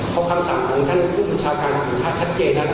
เพราะคำศัพผ์ของท่านผู้มือชาวการต่างผู้ชาชัดเจนแล้ว